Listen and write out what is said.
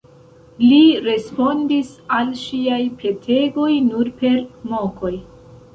Li respondis al ŝiaj petegoj nur per mokoj.